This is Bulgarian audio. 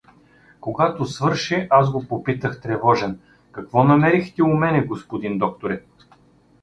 Когато свърши, аз го попитах тревожен: — Какво намерихте у мене, господин докторе?